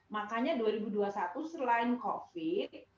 makanya dua ribu dua puluh satu selain covid